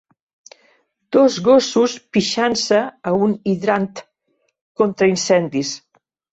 Dos gossos pixant-se a un hidrant contra-incendis.